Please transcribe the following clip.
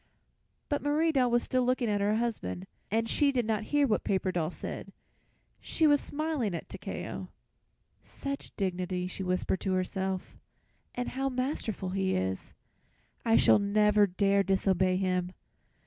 But Marie Doll was still looking at her husband, and she did not hear what Paper Doll said. She was smiling at Takeo. "Such dignity," she whispered to herself, "and how masterful he is. I shall never dare disobey him.